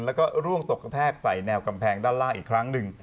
แล้วก็ร่วงตกกระแทกใส่แนวกำแพงด้านล่างอีกครั้งหนึ่ง